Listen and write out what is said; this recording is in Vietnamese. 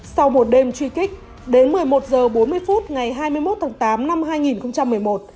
sau một đêm truy kích đến một mươi một h bốn mươi phút ngày hai mươi một tháng tám năm hai nghìn một mươi một